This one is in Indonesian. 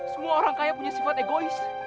semua orang kaya punya sifat egois